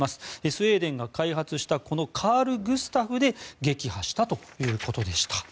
スウェーデンが開発したこのカール・グスタフで撃破したということでした。